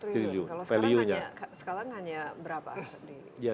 satu tujuh ratus triliun kalau sekarang hanya berapa